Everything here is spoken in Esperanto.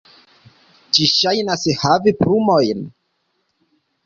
Ĝi ŝajnis havi plumojn.